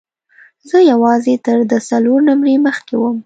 زه یوازې تر ده څلور نمرې مخکې وم.